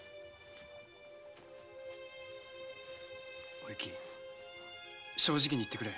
おゆき正直に言ってくれ。